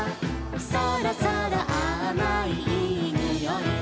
「そろそろあまいいいにおい」